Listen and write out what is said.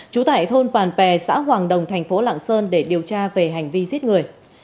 chú tải thôn phàn pè xã hoàng đồng thành phố lạng sơn để điều tra về hành vi giết người